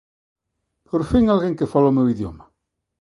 Por fin alguén que fala o meu idioma.